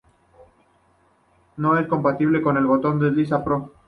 No es compatible con el Botón Deslizante Pro.